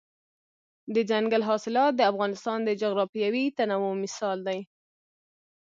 دځنګل حاصلات د افغانستان د جغرافیوي تنوع مثال دی.